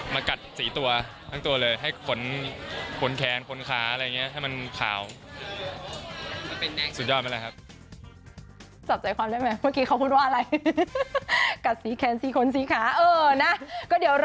มากัดสีตัวทั้งตัวเลยให้ขนแขนขนขาอะไรอย่างงี้